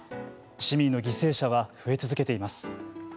市民の犠牲者は増え続けています。